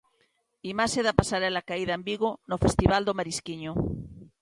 Imaxe da pasarela caída en Vigo, no festival do Marisquiño.